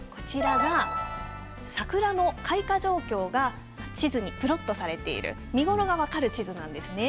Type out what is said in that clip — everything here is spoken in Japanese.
桜の開花状況が地図にプロットされている見頃が分かる地図なんですね。